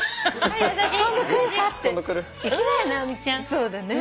そうだね。